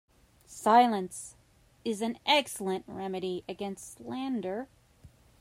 Silence is an excellent remedy against slander.